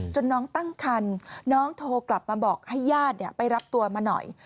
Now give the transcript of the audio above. น้องตั้งคันน้องโทรกลับมาบอกให้ญาติไปรับตัวมาหน่อย